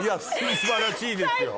素晴らしいですよ。